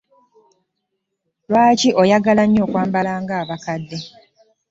Lwaki oyagala nnyo okwambala ng'abakadde?